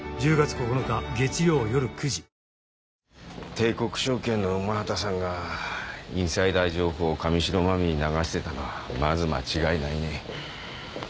帝国証券の午端さんがインサイダー情報を神代真実に流してたのはまず間違いないね。